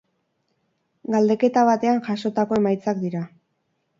Galdeketa batean jasotako emaitzak dira.